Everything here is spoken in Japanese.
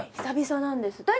久々なんです。